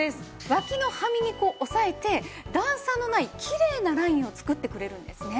脇のはみ肉を押さえて段差のないきれいなラインを作ってくれるんですね。